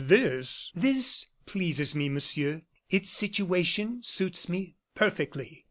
This " "This pleases me, Monsieur. Its situation suits me perfectly."